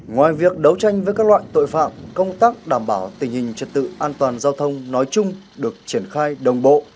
ngoài việc đấu tranh với các loại tội phạm công tác đảm bảo tình hình trật tự an toàn giao thông nói chung được triển khai đồng bộ